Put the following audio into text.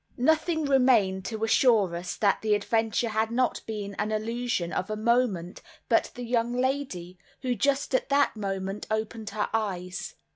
Nothing remained to assure us that the adventure had not been an illusion of a moment but the young lady, who just at that moment opened her eyes.